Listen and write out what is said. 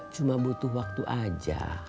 cuma butuh waktu aja